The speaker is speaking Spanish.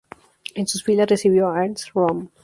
En sus filas recibió a Ernst Röhm.